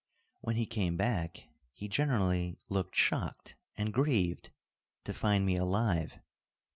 When he came back he generally looked shocked and grieved to find me alive.